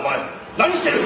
何してる！